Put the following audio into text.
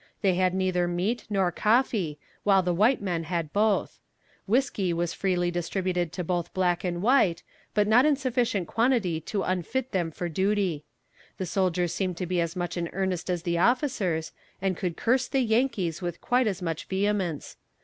They had neither meat nor coffee, while the white men had both. Whiskey was freely distributed to both black and white, but not in sufficient quantity to unfit them for duty. The soldiers seemed to be as much in earnest as the officers, and could curse the Yankees with quite as much vehemence.